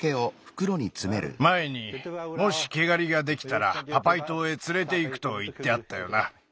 まえに「もしけがりができたらパパイとうへつれていく」といってあったよな。